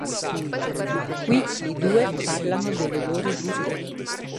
Qui i due parlano delle loro vite.